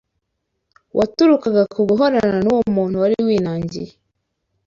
waturukaga ku guhorana n’uwo muntu wari winangiye